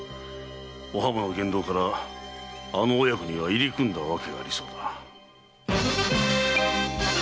お浜の言動からあの母子には入り組んだ訳がありそうだ。